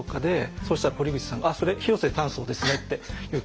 そしたら堀口さんが「あっそれ広瀬淡窓ですね」って言って。